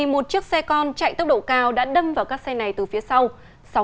một chiếc xe con chạy tốc độ cao đã đâm vào các xe này từ phía sau